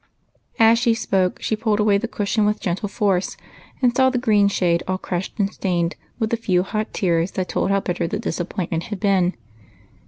As she Spoke, she pulled away the cushion with gentle force, and saw the i^reen shade all crushed and stained with the few hot tears that told how 126 EIGHT COUSINS. bitter the disapiDointment had been.